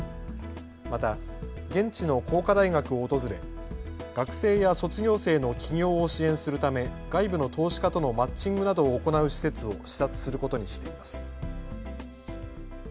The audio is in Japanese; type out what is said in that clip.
また現地の工科大学を訪れ学生や卒業生の起業を支援するため、外部の投資家とのマッチングなどを行う施設を視察することにしています。